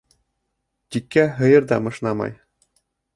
Тиккә һыйыр ҙа мышнамай.